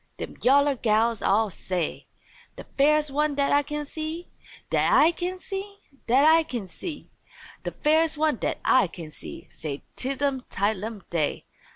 dem yaller gals all say. "De fairest one dat I can see, dat I can see, dat I can see, De fairest one dat I can see," said Tidlum Tidelum Day.